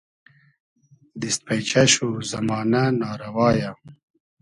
دیست پݷچۂ شو زئمانۂ نا رئوا یۂ